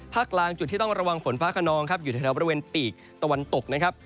กลางจุดที่ต้องระวังฝนฟ้าขนองครับอยู่แถวบริเวณปีกตะวันตกนะครับ